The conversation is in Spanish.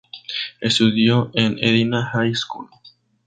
Estudió en el "Edina High School".